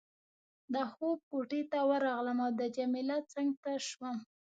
د خوب کوټې ته ورغلم او د جميله څنګ ته شوم.